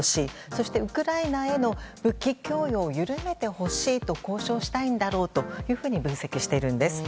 そしてウクライナへの武器供与を緩めてほしいと交渉したいんだろうと分析しているんです。